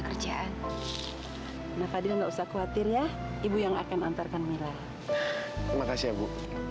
kerjaan enggak usah khawatir ya ibu yang akan antarkan mila makasih ya bu